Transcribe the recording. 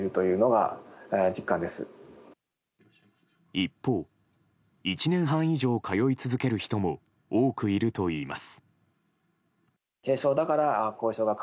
一方、１年半以上通い続ける人も多くいるといいます。